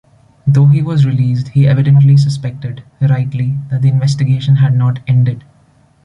Though he was released, he evidently suspected, rightly, that the investigation had not ended.